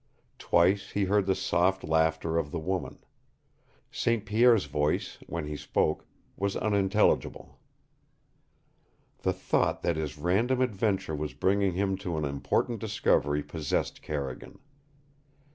Twice he heard the soft laughter of the woman. St. Pierre's voice, when he spoke, was unintelligible. The thought that his random adventure was bringing him to an important discovery possessed Carrigan.